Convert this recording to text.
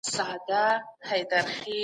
هر څومره چي پوهېږې بیا هم کم دی.